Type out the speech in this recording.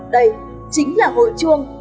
đây chính là hội chuông